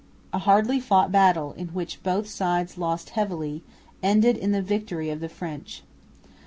A hardly fought battle, in which both sides lost heavily, ended in the victory of the French.